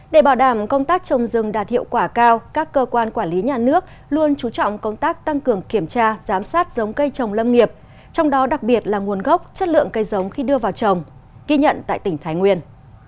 để bảo đảm công tác trồng rừng đạt hiệu quả cao các cơ quan quản lý nhà nước luôn chú trọng công tác tăng cường kiểm tra giám sát giống cây trồng lâm nghiệp trong đó đặc biệt là nguồn gốc chất lượng cây giống khi đưa vào trồng ghi nhận tại tỉnh thái nguyên